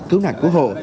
cứu nạn cứu hộ